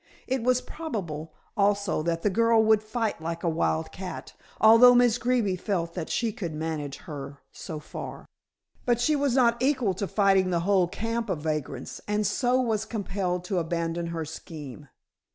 It was probable also that the girl would fight like a wild cat; although Miss Greeby felt that she could manage her so far. But she was not equal to fighting the whole camp of vagrants, and so was compelled to abandon her scheme.